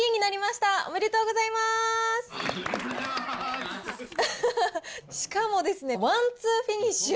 しかもですね、ワンツーフィニッシュ。